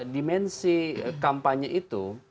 dimensi kampanye itu